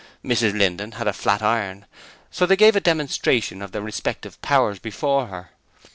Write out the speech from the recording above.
Mrs Linden had a flat iron, so they gave a demonstration of their respective powers before her.